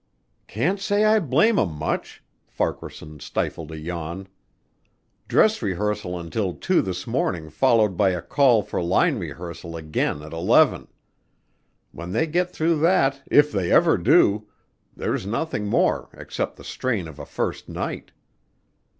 "Can't say I blame 'em much," Farquaharson stifled a yawn. "Dress Rehearsal until two this morning followed by a call for line rehearsal again at eleven. When they get through that, if they ever do, there's nothing more except the strain of a first night."